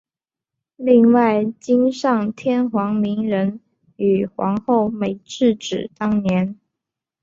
另外今上天皇明仁与皇后美智子当年。